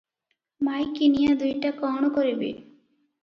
ମାଇକିନିଆ ଦୁଇଟା କ’ଣ କରିବେ?